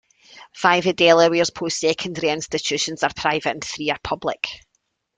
Five of Delaware's post-secondary institutions are private and three are public.